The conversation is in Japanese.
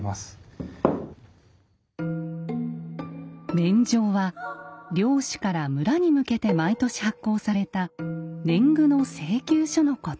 免定は領主から村に向けて毎年発行された年貢の請求書のこと。